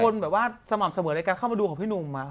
คนแบบว่าสม่ำเสมอเข้ามาดูของพี่หนุ่มมา